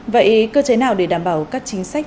vậy cơ chế nào để đảm bảo các chính sách